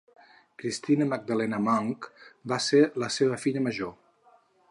Krystyna Magdalena Munk va ser la seva filla major.